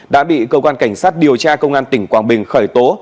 đã bị cơ quan cảnh sát điều tra công an tỉnh quảng bình khởi tố